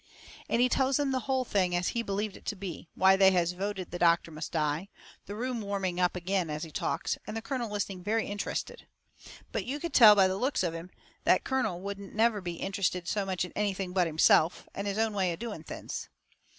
And he tells him the hull thing as he believed it to be why they has voted the doctor must die, the room warming up agin as he talks, and the colonel listening very interested. But you could see by the looks of him that colonel wouldn't never be interested so much in anything but himself, and his own way of doing things.